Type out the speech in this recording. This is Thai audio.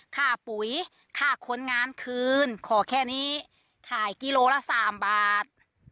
ค่าปุ๋ยค่าคนงานคืนขอแค่นี้ขายกิโลละ๓บาท